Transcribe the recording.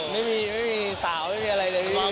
ไม่มีไม่มีสาวไม่มีอะไรเลย